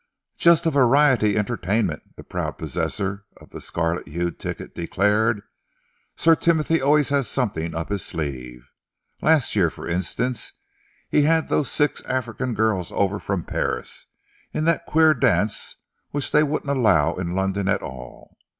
"Just a variety entertainment," the proud possessor of the scarlet hued ticket declared. "Sir Timothy always has something up his sleeve. Last year, for instance, he had those six African girls over from Paris in that queer dance which they wouldn't allow in London at all.